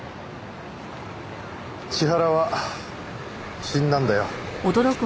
千原は死んだんだよ。